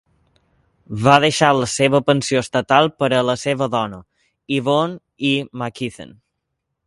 Va deixar la seva pensió estatal per a la seva dona, Yvonne Y. McKeithen.